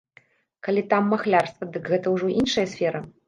Калі там махлярства, дык гэта ўжо іншая сфера.